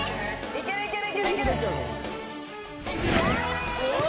いけるいける。